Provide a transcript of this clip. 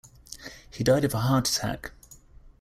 He died of a heart attack.